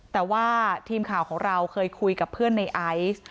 แต่ว่าทีมข่าวของเราเคยคุยกับเพื่อนในไอซ์